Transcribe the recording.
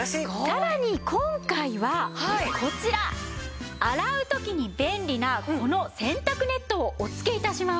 さらに今回はこちら洗う時に便利なこの洗濯ネットをお付け致します。